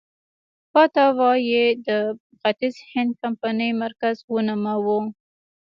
باتاویا یې د ختیځ هند کمپنۍ مرکز ونوماوه.